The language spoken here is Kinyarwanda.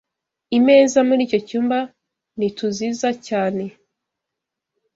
Imeza muri icyo cyumba ni TUZIza cyane.